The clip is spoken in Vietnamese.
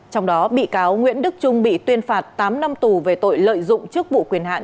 trong đó bị cáo nguyễn đức trung bị tuyên phạt tám năm tù về tội lợi dụng chức vụ quyền hạn